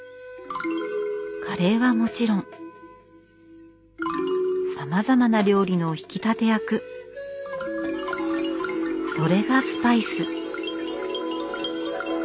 カレーはもちろんさまざまな料理の引き立て役それがスパイス。